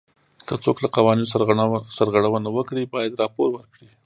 که څوک له قوانینو سرغړونه وکړي باید راپور ورکړي.